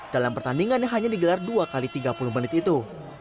dalam pertandingan yang hanya digelar dua x tiga puluh menit itu